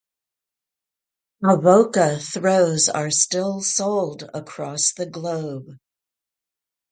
Avoca throws are still sold across the globe.